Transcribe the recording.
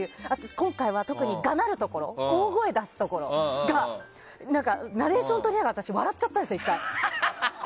今回は今回がなるところ大声を出すところがナレーションとりながら笑っちゃったんですよ。